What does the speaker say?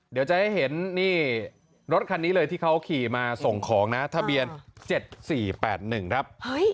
เดี๋ยวจะได้เห็นนี่รถคันนี้เลยที่เขาขี่มาส่งของนะทะเบียน๗๔๘๑ครับ